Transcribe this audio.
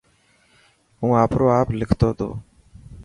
هون آپرو آپ لکتو ٿو.